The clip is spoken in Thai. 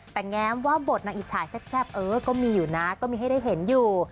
แต่แง้มว่าบทนางอิจฉายแซ่บเออก็มีอยู่นะก็มีให้ได้เห็นอยู่